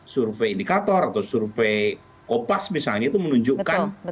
survei indikator atau survei kopas misalnya itu menunjukkan